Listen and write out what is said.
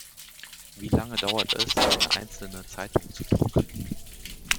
Wie lange dauert es, eine einzelne Zeitung zu drucken?